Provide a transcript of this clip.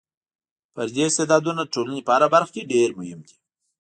فردي استعدادونه د ټولنې په هره برخه کې ډېر مهم دي.